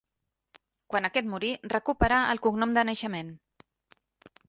Quan aquest morí recuperà el cognom de naixement.